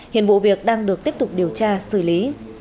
hiện vụ việc đang được tiếp tục điều tra xử lý